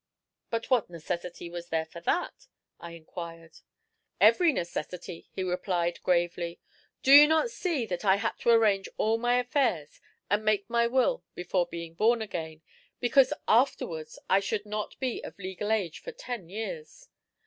"But what necessity was there for that?" I enquired. "Every necessity," he replied gravely. "Do you not see that I had to arrange all my affairs and make my will before being born again, because afterwards I should not be of legal age for ten years.